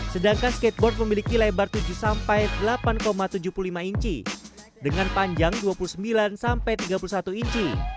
sedangkan skateboard memiliki lebar tujuh sampai delapan tujuh puluh lima inci dengan panjang dua puluh sembilan sampai tiga puluh satu inci